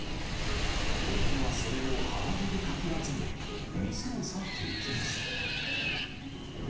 男はそれを慌ててかき集め、店を去っていきました。